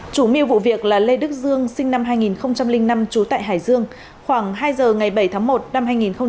chủ mưu vụ việc là lê đức dương sinh năm hai nghìn năm trú tại hải dương khoảng hai giờ ngày bảy tháng một năm hai nghìn một mươi